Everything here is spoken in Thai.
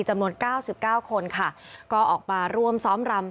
จำนวน๙๙คนค่ะก็ออกมาร่วมซ้อมรำ